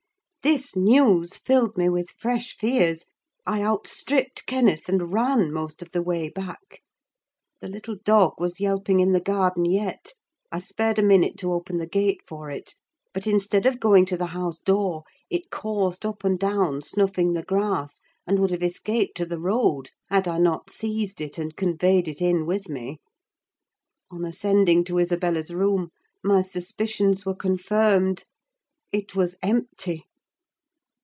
This news filled me with fresh fears; I outstripped Kenneth, and ran most of the way back. The little dog was yelping in the garden yet. I spared a minute to open the gate for it, but instead of going to the house door, it coursed up and down snuffing the grass, and would have escaped to the road, had I not seized it and conveyed it in with me. On ascending to Isabella's room, my suspicions were confirmed: it was empty.